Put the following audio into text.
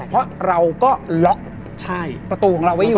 เพราะเราก็ล็อกประตูของเราไว้อยู่